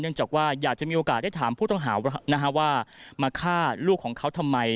จากว่าอยากจะมีโอกาสได้ถามผู้ต้องหาว่ามาฆ่าลูกของเขาทำไม